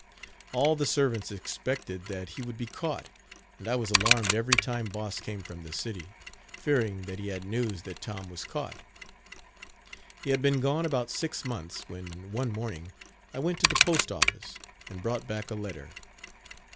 All the servants expected that he would be caught, and I was alarmed every time Boss came from the city, fearing that he had news that Tom was caught. He had been gone about six months, when, one morning, I went to the postoffice and brought back a letter.